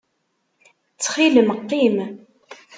Ttxil-m qqim.